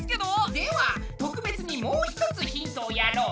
では特別にもう一つヒントをやろう。